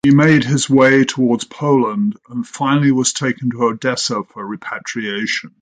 He made his way towards Poland and finally was taken to Odessa for repatriation.